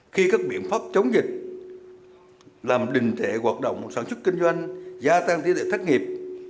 khi các biện pháp chống dịch làm đình thể hoạt động sản xuất kinh doanh gia tăng tỷ lệ thất nghiệp